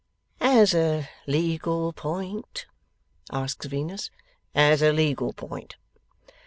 'As a legal point?' asks Venus. 'As a legal point.